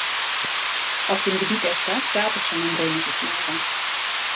Auf dem Gebiet der Stadt gab es schon ein römisches Lager.